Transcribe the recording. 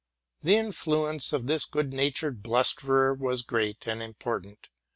'The influence of this good natured blus terer was great and important.